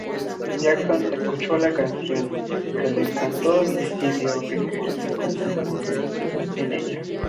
Jackson escuchó la canción, le encantó y decidió que quería contribuir en ella.